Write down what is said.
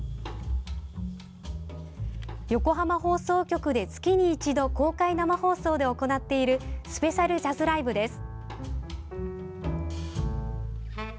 横浜放送局で月に一度公開生放送で行っているスペシャルジャズライブです。